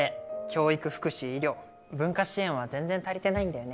教育福祉医療文化支援は全然足りてないんだよね。